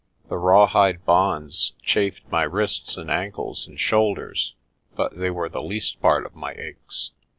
The rawhide bonds chafed my wrists and ankles and shoulders, but they were the least part of my aches.